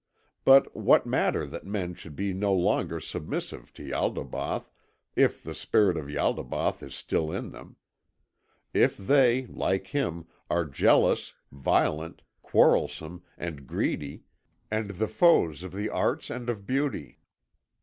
But what matter that men should be no longer submissive to Ialdabaoth if the spirit of Ialdabaoth is still in them; if they, like him, are jealous, violent, quarrelsome, and greedy, and the foes of the arts and of beauty?